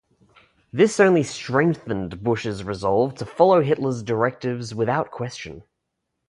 This only strengthened Busch's resolve to follow Hitler's directives without question.